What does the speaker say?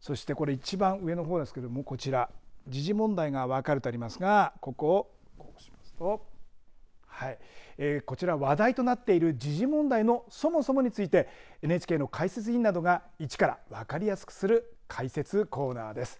そして、これ一番の上の方なんですけど、こちら時事問題が分かるとありますがこちら話題となっている時事問題のそもそもについてＮＨＫの解説委員などが１から分かりやすくする解説コーナーです。